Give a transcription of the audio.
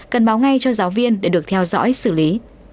cần báo ngay cho giáo viên để được theo dõi xử lý